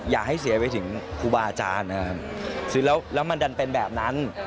อย่าให้เสียไปถึงครูบาอาจารย์นะครับแล้วมันดันเป็นแบบนั้น